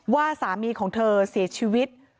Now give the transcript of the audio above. ว่าสามีของเธอเสียชีวิต